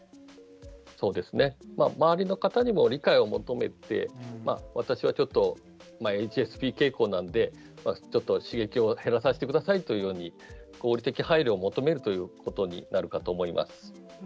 そうですね周りの方にも理解を求めて私はちょっとＨＳＰ傾向なので刺激を減らさせてくださいというように合理的配慮を求めるということになるかと思います。